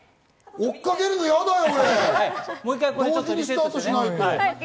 追っかけるのやだよ！